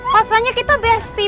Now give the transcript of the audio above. pasalnya kita besti